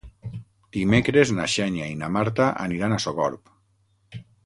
Dimecres na Xènia i na Marta aniran a Sogorb.